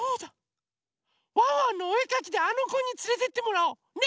「ワンワンのおえかき」であのこにつれてってもらおう！ね！